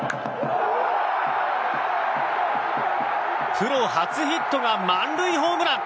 プロ初ヒットが満塁ホームラン！